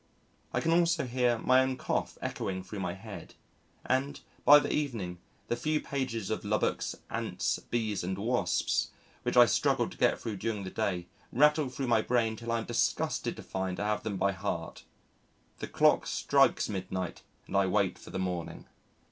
I can also hear my own cough echoing through my head, and, by the evening, the few pages of Lubbock's Ants, Bees, and Wasps which I struggled to get through during the day rattle through my brain till I am disgusted to find I have them by heart. The clock strikes midnight and I wait for the morning.